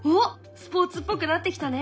スポーツっぽくなってきたね。